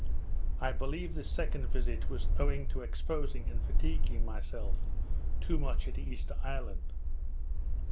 I believe this second visit was owing to exposing and fatiguing myself too much at Easter Island.